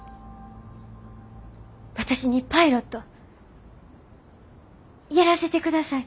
私にパイロットやらせてください。